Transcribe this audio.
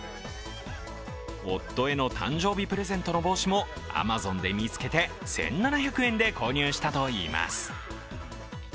夫への誕生日プレゼントの帽子もアマゾンで見つけて１７００円で購入したといいます。